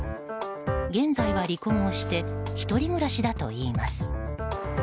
現在は離婚をして１人暮らしだといいます。